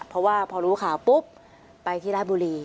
เพราะว่าพอรู้ข่าวปุ๊บไปที่ราชบุรี